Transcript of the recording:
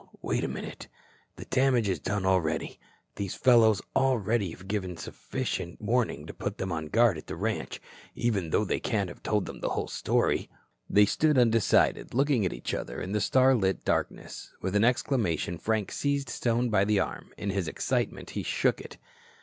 Wait a minute. The damage is done already. These fellows already have given sufficient warning to put them on guard at the ranch, even though they can't have told the whole story." They stood undecided, looking at each other, in the starlit darkness. With an exclamation, Frank seized Stone by the arm. In his excitement, he shook it.